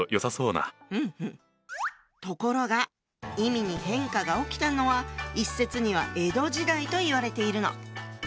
ところが意味に変化が起きたのは一説には江戸時代といわれているの。